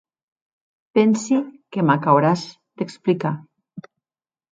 Pensi que m'ac auràs d'explicar.